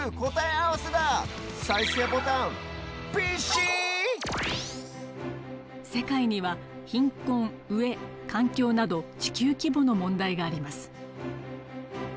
きっとＮＧＯは世界には貧困うえかん境など地球規模の問題があります